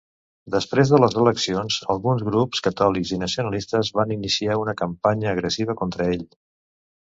Després de les eleccions, alguns grups catòlics i nacionalistes van iniciar una campanya agressiva contra ell.